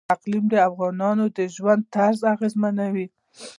اقلیم د افغانانو د ژوند طرز اغېزمنوي.